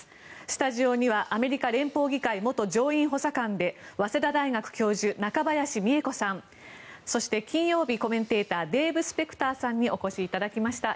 スタジオにはアメリカ連邦議会元上院補佐官で早稲田大学教授中林美恵子さんそして金曜日コメンテーターデーブ・スペクターさんにお越しいただきました。